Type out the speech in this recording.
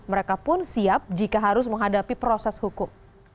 mereka pun siap jika harus menghadapi proses hukum